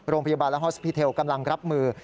โรงพยาบาลและฮอสพิเทลกำลังรับมือ